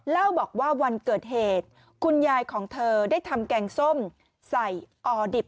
เล่าบอกว่าวันเกิดเหตุคุณยายของเธอได้ทำแกงส้มใส่ออดิบ